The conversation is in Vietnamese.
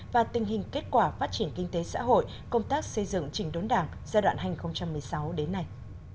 và tình hình kết quả phát triển kinh tế xã hội công tác xây dựng chỉnh đốn đảng giai đoạn hai nghìn một mươi sáu đến nay